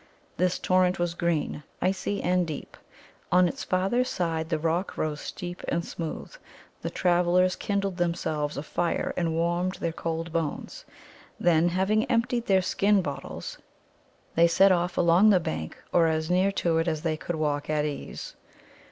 This torrent was green, icy, and deep. On its farther side the rock rose steep and smooth. The travellers kindled themselves a fire and warmed their cold bones. Then, having emptied their skin bottles, they set off along the bank, or as near to it as they could walk at ease.